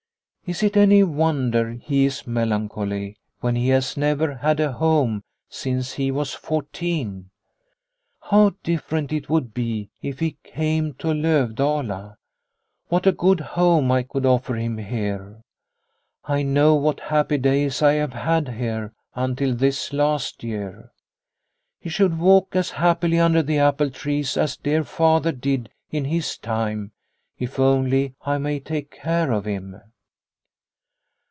" Is it any wonder he is melancholy, when he has never had a home since he was fourteen ? How different it would be if he came to Lovdala ! What a good home I could offer him here. I know what happy days I have had here until this last year. He should walk as happily under the apple trees as dear Father did in his time if only I may take care of him